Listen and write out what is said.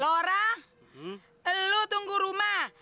lorak lu tunggu rumah